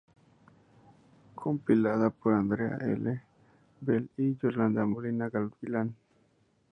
Compilada por Andrea L. Bell y Yolanda Molina-Gavilán.